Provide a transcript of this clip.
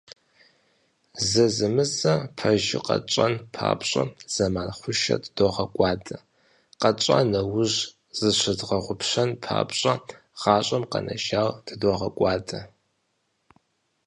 Зэзэмызэ пэжыр къэтщӏэн папщӏэ зэман хъушэ тыдогъэкӏуадэ, къэтщӏа нэужь, зыщыдгъэгъупщэн папщӏэ гъащӏэм къэнэжар тыдогъэкӏуадэ.